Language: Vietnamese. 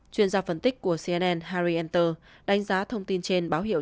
chuyên gia phân tích của cnn harry enter đánh giá thông tin trên báo hiệu